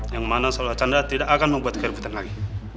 yang mana seolah chandra tidak akan membuat keributan lagi